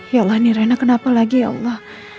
yalah ini rena kenapa lagi ya allah